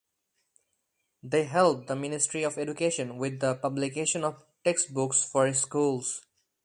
They helped the Ministry of Education with the publication of text books for schools.